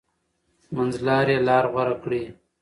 منځلاري لار غوره کړئ.